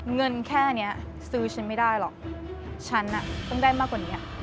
เงินแค่นี้ซื้อฉันไม่ได้หรอกฉันต้องได้มากกว่านี้